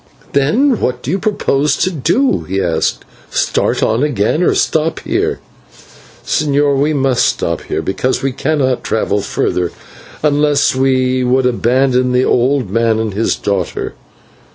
"Then what do you propose to do?" he asked. "Start on again, or stop here?" "Señor, we must stop here because we cannot travel farther, unless you would abandon the old man and his daughter.